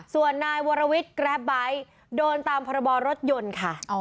ส่วนนายวรวิทย์แกรปไบท์โดนตามพรบรถยนต์ค่ะ